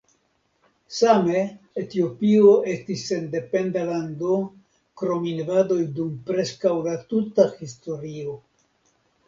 Same Etiopio estis sendependa lando krom invadoj dum preskaŭ la tuta historio.